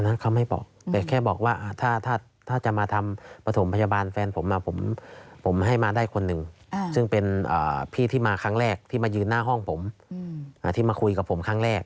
นั้นเขาไม่บอกแต่แค่บอกว่าถ้าจะมาทำประถมพยาบาลแฟนผมผมให้มาได้คนหนึ่งซึ่งเป็นพี่ที่มาครั้งแรกที่มายืนหน้าห้องผมที่มาคุยกับผมครั้งแรก